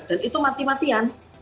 dan itu mati matian